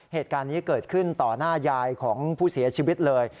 เหตุการณ์นี้เกิดขึ้นต่อหน้ายายของผู้เสียชีวิตเลย